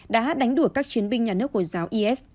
đã đánh đuổi các chiến binh nhà nước hồi giáo is